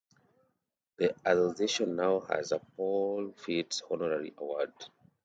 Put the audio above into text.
The association now has a Paul Fitts honorary award.